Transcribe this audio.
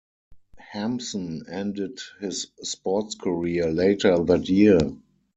Hampson ended his sports career later that year.